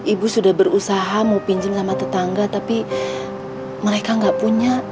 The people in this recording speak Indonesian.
ibu sudah berusaha mau pinjem sama tetangga tapi mereka nggak punya